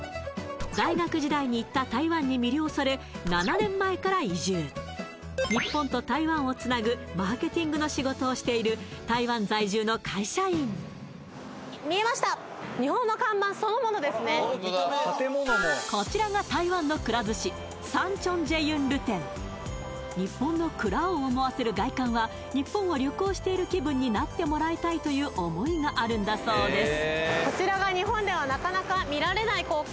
大学時代に行った台湾に魅了され日本と台湾をつなぐマーケティングの仕事をしている台湾在住の会社員こちらが台湾の日本の蔵を思わせる外観は日本を旅行している気分になってもらいたいという思いがあるんだそうです